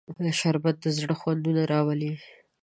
شربت د زړه خوندونه راولي